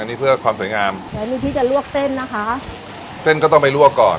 อันนี้เพื่อความสวยงามใช้มือที่จะลวกเส้นนะคะเส้นก็ต้องไปลวกก่อน